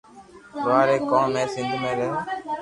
لوھار ايڪ قوم ھي سندھ مي رھي ھي